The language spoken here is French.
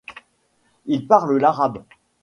Ils parlent l'arabe.